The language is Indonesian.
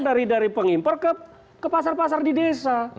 dari pengimpor ke pasar pasar di desa